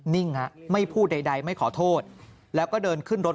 นิ่งฮะไม่พูดใดไม่ขอโทษแล้วก็เดินขึ้นรถ